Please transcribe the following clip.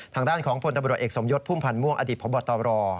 ทางด้านของพลตำรวจเอกสมยศพุ่มพันธ์ม่วงอดีตพบตร